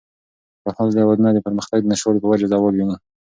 پرمختللي هېوادونه د پرمختگ د نشتوالي په وجه زوال ویني.